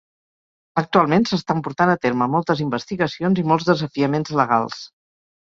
Actualment s"estan portant a terme moltes investigacions i molts desafiaments legals.